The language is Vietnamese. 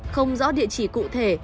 không rõ địa chỉ cụ thể